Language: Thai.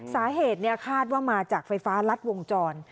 สาเหตุคาดว่ามาจากไฟฟ้ารัดวงจร